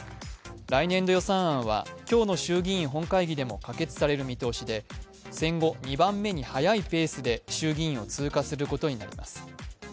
来年度予算案は今日の衆議院本会議でも可決される見通しで、戦後２番目に早いペースで衆議院を通過することになります。